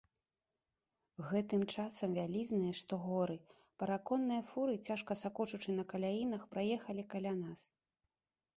Гэтым часам вялізныя, што горы, параконныя фуры, цяжка сакочучы на каляінах, праехалі каля нас.